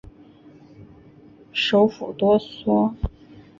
首府多索。